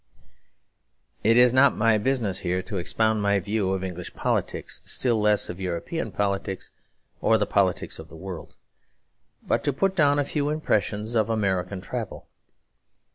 It is not my business here to expound my view of English politics, still less of European politics or the politics of the world; but to put down a few impressions of American travel.